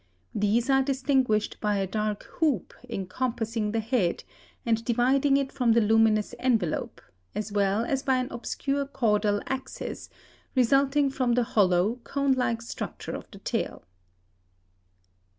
These are distinguished by a dark hoop encompassing the head and dividing it from the luminous envelope, as well as by an obscure caudal axis, resulting from the hollow, cone like structure of the tail.